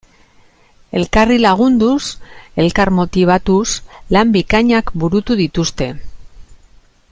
Elkarri lagunduz, elkar motibatuz, lan bikainak burutu dituzte.